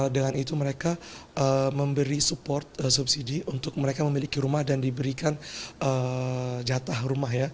dengan itu mereka memberi support subsidi untuk mereka memiliki rumah dan diberikan jatah rumah ya